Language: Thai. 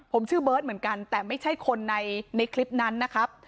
ผมชื่อเบิร์ตเหมือนกันแต่ไม่ใช่คนในคลิปนั้นนะครับ